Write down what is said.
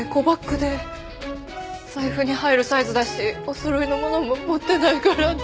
財布に入るサイズだしおそろいのものも持ってないからって。